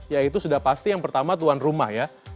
yaitu sudah pasti yang pertama tuan rumah ya